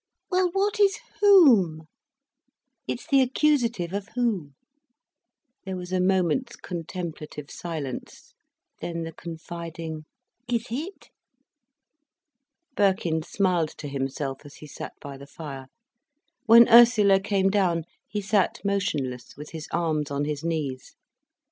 "Well what is whom?" "It's the accusative of who." There was a moment's contemplative silence, then the confiding: "Is it?" Birkin smiled to himself as he sat by the fire. When Ursula came down he sat motionless, with his arms on his knees.